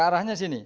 ke arahnya sini